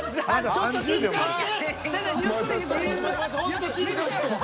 ちょっと静かにして！